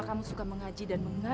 kita berhenti di airport